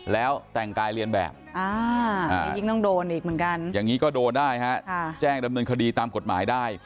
แล้วแต่งกายเรียนแบบอย่างนี้ก็โดนได้แจ้งดำเนินคดีตามกฎหมายได้